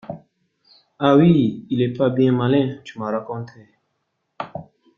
Ah oui, il est pas bien malin, tu m’as raconté.